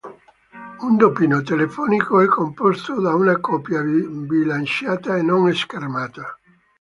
Un doppino telefonico è composto da una coppia bilanciata e non schermata.